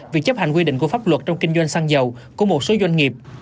việc chấp hành quy định của pháp luật trong kinh doanh xăng dầu của một số doanh nghiệp